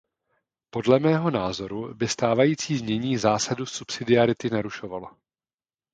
Podle mého názoru by stávající znění zásadu subsidiarity narušovalo.